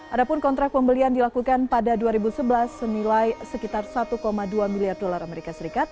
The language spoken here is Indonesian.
adapun kontrak pembelian dilakukan pada dua ribu sebelas senilai sekitar satu dua miliar dolar as